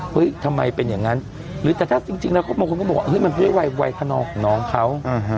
เฮ้ยทำไมเป็นอย่างงั้นหรือแต่ถ้าจริงแล้วคนก็บอกมันเป็นวัยวัยขนองของน้องเขา